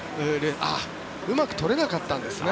うまく取れなかったんですね。